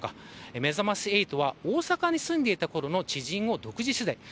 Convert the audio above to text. めざまし８は大阪に住んでいたころの知人を独自取材。